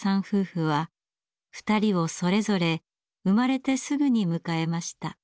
夫婦は２人をそれぞれ生まれてすぐに迎えました。